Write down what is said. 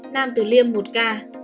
nam tử liêm một ca